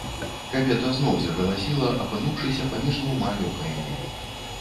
Кабета зноў загаласіла, апынуўшыся паміж двума лёкаямі.